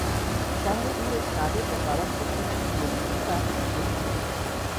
স্বাভাবিকভাবে নাদের তার বাবার পক্ষ নেয়, অন্যদিকে দীপা তার ভাই সজলের।